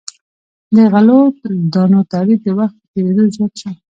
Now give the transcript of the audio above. د غلو دانو تولید د وخت په تیریدو زیات شو.